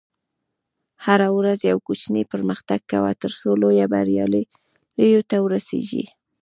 هره ورځ یو کوچنی پرمختګ کوه، ترڅو لویو بریاوو ته ورسېږې.